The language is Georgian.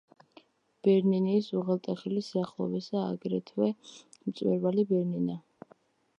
ბერნინის უღელტეხილის სიახლოვესაა აგრეთვე მწვერვალი ბერნინა.